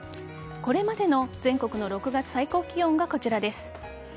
これまでの全国の６月最高気温がこちらです。